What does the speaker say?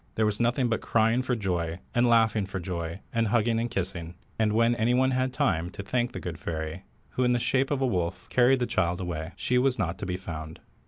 There was nothing but crying for joy, and laughing for joy, and hugging and kissing, and when any one had time to thank the good fairy, who in the shape of a wolf, carried the child away, she was not to be found.